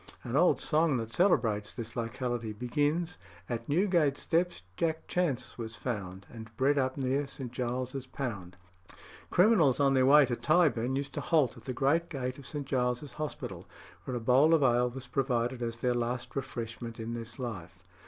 An old song that celebrates this locality begins "At Newgate steps Jack Chance was found, And bred up near St. Giles's Pound." Criminals on their way to Tyburn used to "halt at the great gate of St. Giles's Hospital, where a bowl of ale was provided as their last refreshment in this life."